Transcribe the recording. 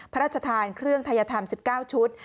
พระราชทานเครื่องทัยธรรม๑๙ชุด